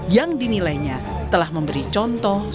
yang dinilainya telah memberi contoh